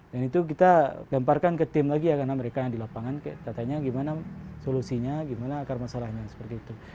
dan itu kita lemparkan ke tim lagi karena mereka yang di lapangan kita tanya gimana solusinya gimana akar masalahnya seperti itu